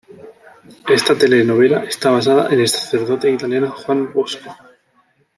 Esta telenovela está basada en el sacerdote italiano Juan Bosco.